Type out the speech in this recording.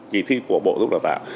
kỳ thi của bộ dục đào tạo